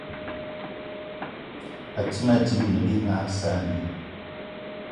Àtə́ mâ dímâ ne bí mag saanì